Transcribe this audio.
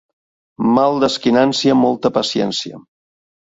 Mal d'esquinància, molta paciència.